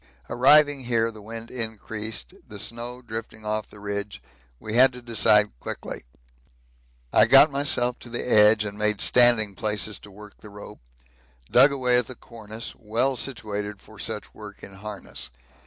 Arriving here the wind increased, the snow drifting off the ridge we had to decide quickly; I got myself to the edge and made standing places to work the rope; dug away at the cornice, well situated for such work in harness.